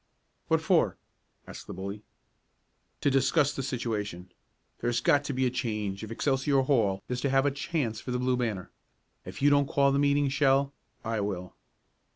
"What for?" asked the bully. "To discuss the situation. There has got to be a change if Excelsior Hall is to have a chance for the Blue Banner. If you don't call the meeting, Shell, I will."